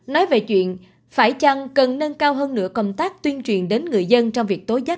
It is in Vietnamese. nói về chuyện phải chăng cần nâng cao hơn nữa công tác tuyên truyền đến người dân trong việc tối giác